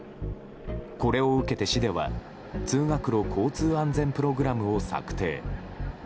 これを受けて、市では通学路交通安全プログラムを策定。